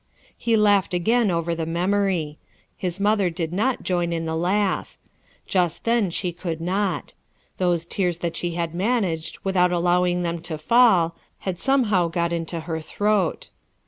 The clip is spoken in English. He laughed again over the memory. Ilia mother did not join in the laugh; just then she could not. Those tears that she had managed, not allowing them to fall, had somehow got into her throat.